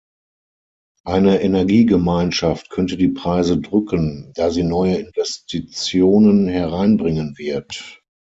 Eine Energiegemeinschaft könnte die Preise drücken, da sie neue Investitionen hereinbringen wird.